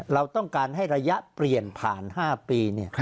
เราต้องการให้ระยะเปลี่ยนผ่าน๕ปี